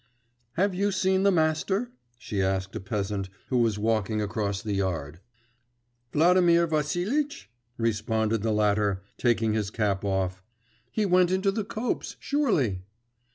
'Have you seen the master?' she asked a peasant, who was walking across the yard. 'Vladimir Vassilitch?' responded the latter, taking his cap off. 'He went into the copse, surely.